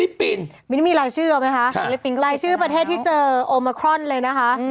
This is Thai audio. ญี่ปุ่นปิดประเทศแล้วฟิลิปปินส์มีรายชื่อแล้วไหมคะรายชื่อประเทศที่เจอโอไมโครนเลยนะคะ